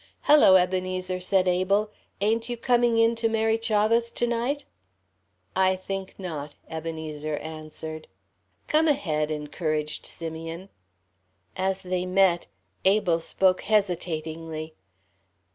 "Hello, Ebenezer," said Abel, "ain't you coming in to Mary Chavah's to night?" "I think not," Ebenezer answered. "Come ahead," encouraged Simeon. As they met, Abel spoke hesitatingly.